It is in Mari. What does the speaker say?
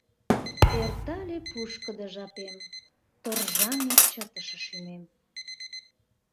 Эртале пушкыдо жапем, Торжаҥе чытыше шӱмем.